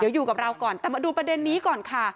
เดี๋ยวอยู่กับเราก่อนแต่มาดูประเด็นนี้ก่อนค่ะ